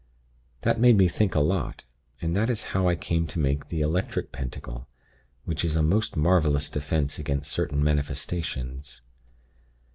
That made me think a lot; and that is how I came to make the Electric Pentacle, which is a most marvelous 'Defense' against certain manifestations.